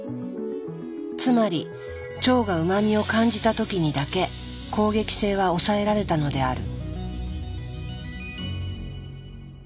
つまり腸がうま味を感じたときにだけ攻撃性は抑えられたのである。